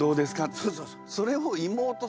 そうそうそう。